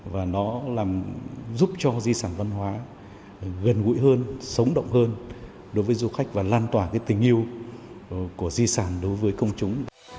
và nó làm giúp cho di sản văn hóa gần gũi hơn sống động hơn đối với du khách và lan tỏa cái tình yêu của di sản đối với công chúng